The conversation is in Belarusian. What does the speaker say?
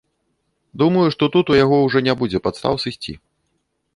Думаю, што тут у яго ўжо не будзе падставаў сысці.